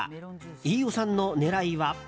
飯尾さんの狙いは？